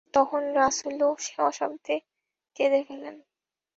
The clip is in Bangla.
তখন রাসূলও স্বশব্দে কেঁদে ফেললেন।